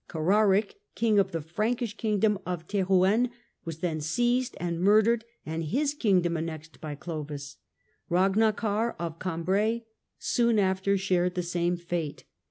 Cararic, king of the Frankish kingdom of Terouenne, was then seized and murdered and his kingdom annexed by Clovis. Eagnakar of Cambrai soon after shared the same fate.